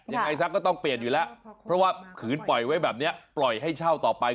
ยังไงซะก็ต้องเปลี่ยนอยู่แล้วเพราะว่าขืนปล่อยไว้แบบนี้ปล่อยให้เช่าต่อไป